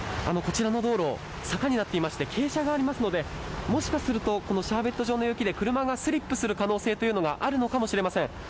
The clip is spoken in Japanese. こちらの道路は坂になっていて傾斜があるのでもしかするとこのシャーベット状の雪で車がスリップする可能性があるかもしれません。